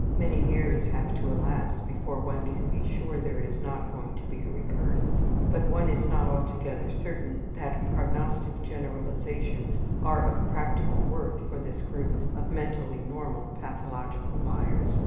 Many years have to elapse before one can be sure there is not going to be a recurrence. But one is not altogether certain that prognostic generalizations are of practical worth for this group of mentally normal pathological liars.